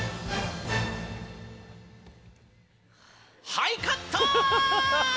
はいカット！